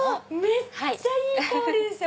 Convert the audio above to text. めっちゃいい香りですよ！